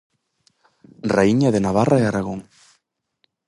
Raíña de Navarra e Aragón.